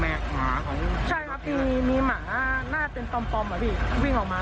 หมาเขาใช่ครับมีมีหมาหน้าเป็นปอมปลอมอ่ะพี่วิ่งออกมา